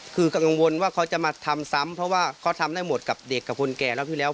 คือกังวลว่าเขาจะมาทำซ้ำเพราะว่าเขาทำได้หมดกับเด็กกับคนแก่รอบที่แล้ว